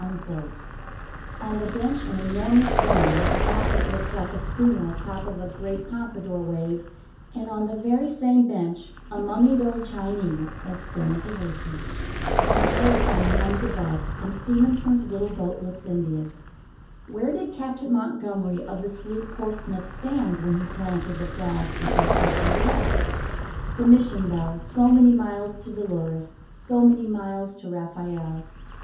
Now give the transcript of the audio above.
On the bench an enormous woman with a hat that looks like a schooner atop of a great pompadour wave and on the very same bench a mummied old Chinese as thin as a wafer. An aeroplane hums above and Stevenson's little boat looks envious. Where did Captain Montgomery of the sloop Portsmouth stand when he planted the flag in 1848? The Mission bell, so many miles to Dolores, so many miles to Rafael.